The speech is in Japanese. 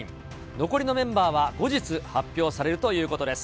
残りのメンバーは後日、発表されるということです。